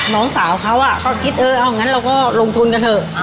น้องสาวเขาอ่ะเขาก็คิดเออเอาอย่างงั้นเราก็ลงทุนกันเถอะ